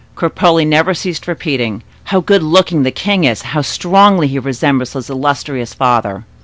Cropole never ceased repeating, "How good looking the king is! How strongly he resembles his illustrious father!"